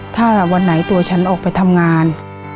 ถ้าวันไหนตัวฉันออกไปทำงาน